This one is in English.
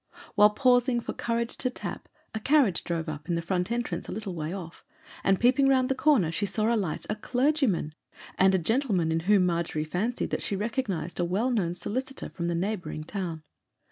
While pausing for courage to tap, a carriage drove up to the front entrance a little way off, and peeping round the corner she saw alight a clergyman, and a gentleman in whom Margery fancied that she recognized a well known solicitor from the neighbouring town.